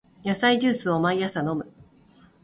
野菜ジュースを毎朝飲む